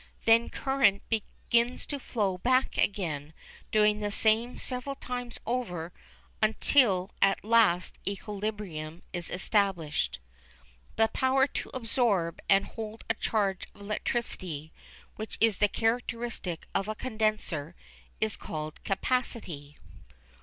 Then current begins to flow back again, doing the same several times over, until at last equilibrium is established. The power to absorb and hold a charge of electricity, which is the characteristic of a condenser, is called "capacity."